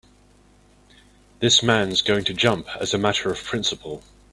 This man's going to jump as a matter of principle.